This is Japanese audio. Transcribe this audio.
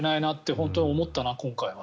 本当に思ったな、今回は。